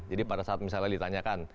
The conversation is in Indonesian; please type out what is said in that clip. jadi pada saat misalnya ditanyakan